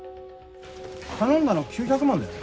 頼んだの９００万だよね？